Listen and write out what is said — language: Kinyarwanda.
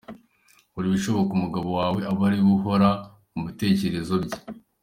Kora ibishoboka umugabo wawe abe ari wowe uhora mu bitekerezo bye.